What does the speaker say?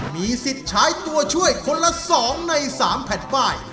มีสิทธิ์ใช้ตัวช่วยคนละ๒ใน๓แผ่นป้าย